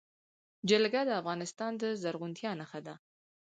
جلګه د افغانستان د زرغونتیا نښه ده.